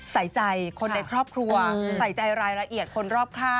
ใส่ใจคนในครอบครัวใส่ใจรายละเอียดคนรอบข้าง